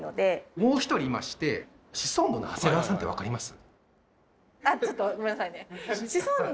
もう１人いましてシソンヌの長谷川さんって分かります？